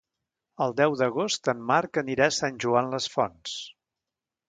El deu d'agost en Marc anirà a Sant Joan les Fonts.